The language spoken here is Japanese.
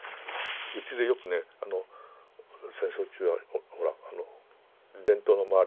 うちでよくね戦争中はほら電灯の周りに黒い。